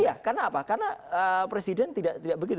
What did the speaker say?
iya karena apa karena presiden tidak begitu